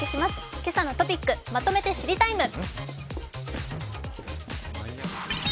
「けさのトピックまとめて知りＴＩＭＥ，」。